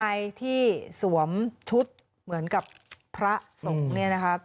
ใครที่สวมชุดเหมือนกับพระสงฆ์เนี่ยนะคะ